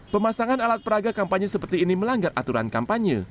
pemasangan alat peraga kampanye seperti ini melanggar aturan kampanye